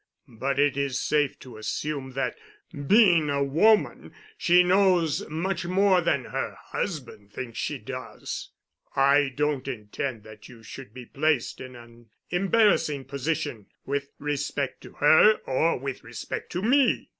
But it is safe to assume that, being a woman, she knows much more than her husband thinks she does. I don't intend that you should be placed in an embarrassing position with respect to her or with respect to me.